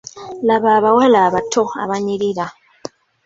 Laba abawala abato abanyirira.